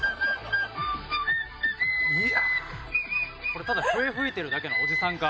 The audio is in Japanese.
これただ笛吹いてるだけのおじさんか？